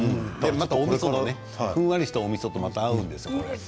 また、ふんわりしたおみそとよく合うんですよね。